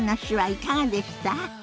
いかがでした？